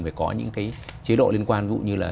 phải có những cái chế độ liên quan vụ như là